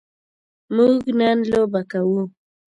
موږ نن لوبه کوو.